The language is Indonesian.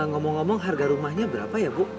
ngomong ngomong harga rumahnya berapa ya bu